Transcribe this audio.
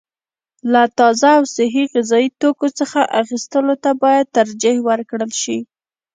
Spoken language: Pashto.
له تازه او صحي غذايي توکو څخه اخیستلو ته باید ترجیح ورکړل شي.